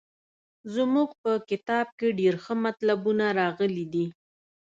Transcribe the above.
زموږ په کتاب کې ډېر ښه مطلبونه راغلي دي.